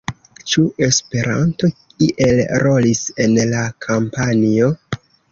Ĉu Esperanto iel rolis en la kampanjo?